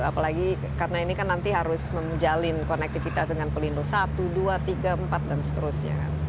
apalagi karena ini kan nanti harus menjalin konektivitas dengan pelindo satu dua tiga empat dan seterusnya